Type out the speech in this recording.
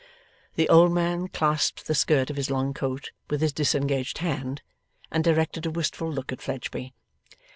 The old man clasped the skirt of his long coat with his disengaged hand, and directed a wistful look at Fledgeby.